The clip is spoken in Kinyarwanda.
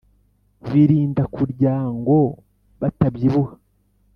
Birinda kuryango batabyibuha